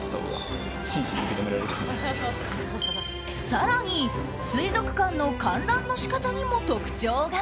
更に、水族館の観覧の仕方にも特徴が。